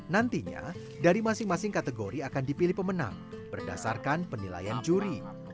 nantinya dari masing masing kategori akan dipilih pemenang berdasarkan penilaian juri